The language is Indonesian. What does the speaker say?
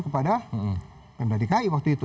kepada pemda dki waktu itu